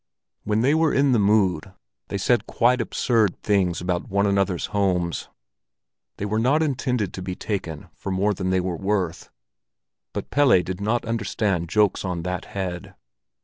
When they were in the mood, they said quite absurd things about one another's homes. They were not intended to be taken for more than they were worth, but Pelle did not understand jokes on that head.